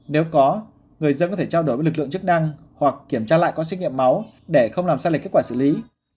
nếu có người dân có thể trao đổi với lực lượng chức năng hoặc kiểm tra lại có xét nghiệm máu để không làm sai lệch kết quả xử lý